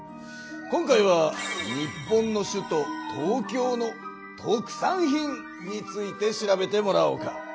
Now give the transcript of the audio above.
今回は日本の首都東京の特産品について調べてもらおうか。